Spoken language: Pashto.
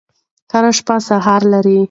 هره شپه سهار لري.